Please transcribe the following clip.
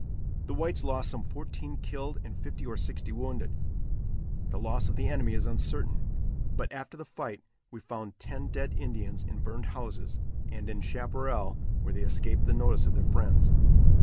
The whites lost some fourteen killed and fifty or sixty wounded. The loss of the enemy is uncertain, but after the fight we found ten dead Indians in burned houses, and in chaparral where they escaped the notice of their friends.